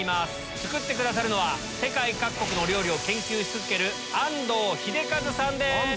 作ってくださるのは世界各国のお料理を研究し続ける安藤秀和さんです。